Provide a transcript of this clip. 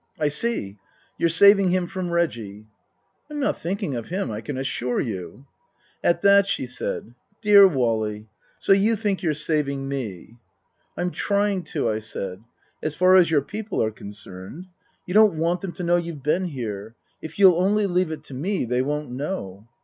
" I see. You're saving him from Reggie." " I'm not thinking of him, I can assure you." At that she said, " Dear Wally, so you think you're saving me." " I'm trying to," I said. " As far as your people are concerned. You don't want them to know you've been here. If you'll only leave it to me, they won't know."